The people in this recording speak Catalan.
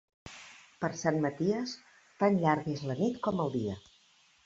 Per Sant Maties, tan llarga és la nit com el dia.